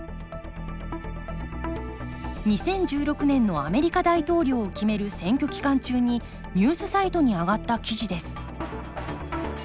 ２０１６年のアメリカ大統領を決める選挙期間中にニュースサイトに上がった記事です